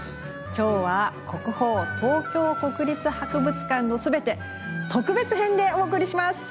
今日は「国宝東京国立博物館のすべて」特別編でお送りします！